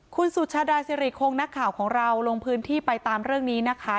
คุณศิริของนักข่าวของเราไปไปตามเรื่องนี้นะคะ